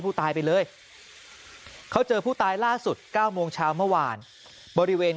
ผู้ตายไปเลยเขาเจอผู้ตายล่าสุด๙โมงเช้าเมื่อวานบริเวณ